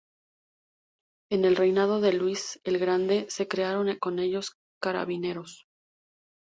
En el reinado de Luis el Grande se crearon en ellos Carabineros.